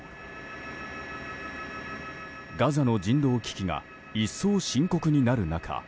ガザの人道危機が一層、深刻になる中